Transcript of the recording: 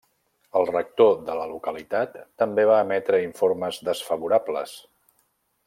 El rector de la localitat també va emetre informes desfavorables.